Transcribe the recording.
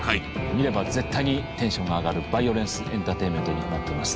見れば絶対にテンションが上がるバイオレンスエンターテインメントになっています。